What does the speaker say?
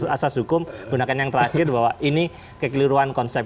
asas hukum gunakan yang terakhir bahwa ini kekeliruan konsep